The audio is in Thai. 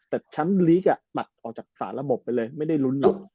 แต่แชมป์ลีกตัดออกจากสารระบบไปเลยไม่ได้ลุ้นเลย